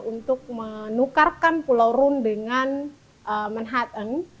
untuk menukarkan pulau rune dengan manhattan